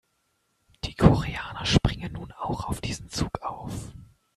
Die Koreaner springen nun auch auf diesen Zug auf.